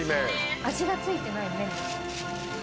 味が付いてない麺。